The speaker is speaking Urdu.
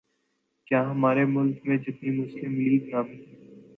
کیا ہمارے ملک میں جتنی مسلم لیگ نامی